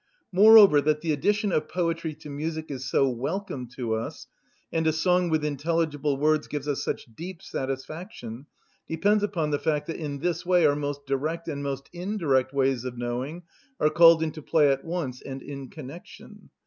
Moreover, that the addition of poetry to music is so welcome to us, and a song with intelligible words gives us such deep satisfaction, depends upon the fact that in this way our most direct and most indirect ways of knowing are called into play at once and in connection.